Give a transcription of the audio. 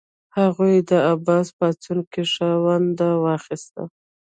هغوی په عباسي پاڅون کې ښه ونډه واخیسته.